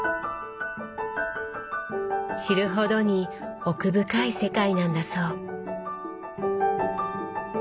知るほどに奥深い世界なんだそう。